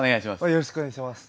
よろしくお願いします。